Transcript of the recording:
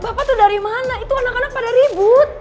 bapak tuh dari mana itu anak anak pada ribut